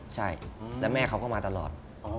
ใช่แล้วแม่เขาก็มาตลอด